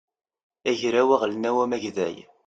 agraw aɣelnaw amagday